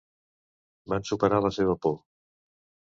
Van superar la seva por.